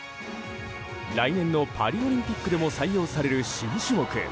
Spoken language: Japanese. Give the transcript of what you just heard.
来年のパリオリンピックでも採用される新種目。